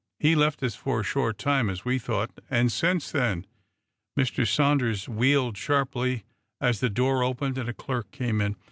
"He left us for a short time, as we thought, and, since then " Mr. Sanders wheeled sharply as the door opened and a clerk came in.